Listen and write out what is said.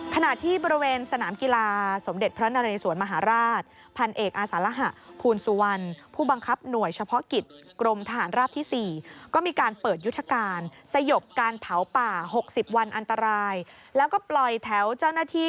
ขณะที่บริเวณสนามกีฬาสมเด็จพระนรัยสวนมหาราช